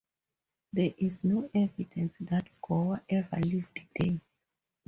There is no evidence that Gower ever lived there.